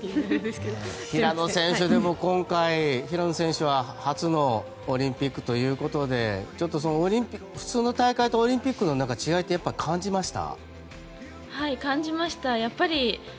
平野選手、今回平野選手は初のオリンピックということでちょっと普通の大会とオリンピックの違いってやっぱり感じました？